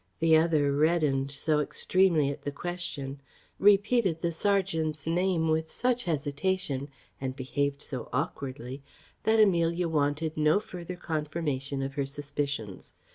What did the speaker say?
The other reddened so extremely at the question, repeated the serjeant's name with such hesitation, and behaved so aukwardly, that Amelia wanted no further confirmation of her suspicions.